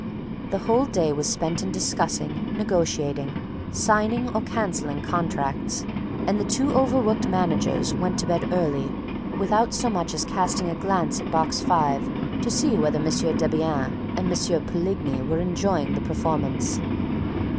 The whole day was spent in discussing, negotiating, signing or cancelling contracts; and the two overworked managers went to bed early, without so much as casting a glance at Box Five to see whether M. Debienne and M. Poligny were enjoying the performance.